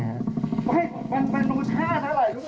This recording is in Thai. เทควันละสิบบาทเป็นแค่หรอมันยังไม่เล่นไปสั่งมาเล่นด้วย